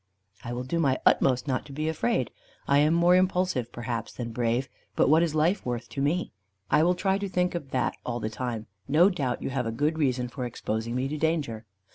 "I will do my utmost not to be afraid. I am more impulsive perhaps than brave, but what is life worth to me? I will try to think of that all the time. No doubt you have a good reason for exposing me to danger."